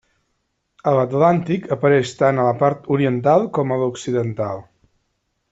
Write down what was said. A l'Atlàntic apareix tant a la part oriental com a l'occidental.